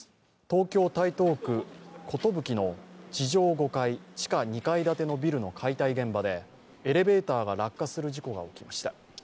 東京・台東区寿の地上５階、地下２階建てのビルの解体現場でエレベーターが落下する事故が起きました。